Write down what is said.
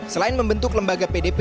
selain membentuk lembaga pdp